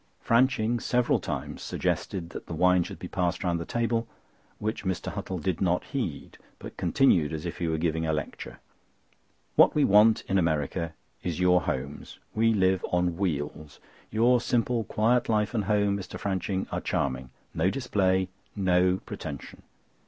Franching several times suggested that the wine should be passed round the table, which Mr. Huttle did not heed; but continued as if he were giving a lecture: "What we want in America is your homes. We live on wheels. Your simple, quiet life and home, Mr. Franching, are charming. No display, no pretension!